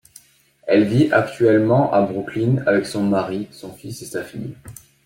Elle vit actuellement à Brooklyn avec son mari, son fils et sa fille.